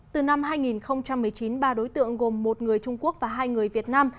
từ năm hai nghìn một mươi chín ba đối tượng gồm một người trung quốc và hai người việt nam